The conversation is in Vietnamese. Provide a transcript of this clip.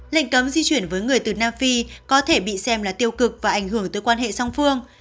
lệnh cấm di chuyển với người từ nam phi có thể bị xem là tiêu cực và ảnh hưởng tới quan hệ song phương